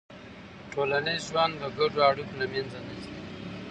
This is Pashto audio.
ټولنیز ژوند د ګډو اړیکو له منځه نه ځي.